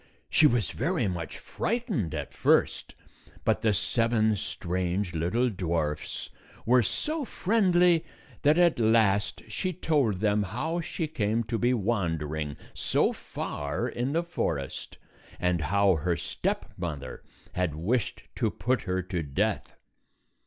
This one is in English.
She was very much frightened at first, but the seven strange little dwarfs were so friendly that at last she told them how she came to be wandering so far in the forest, and how her stepmother had wished to put her to death.